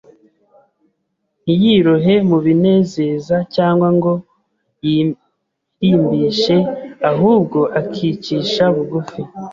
ntiyirohe mu binezeza cyangwa ngo yirimbishe, ahubwo akicisha bugufi.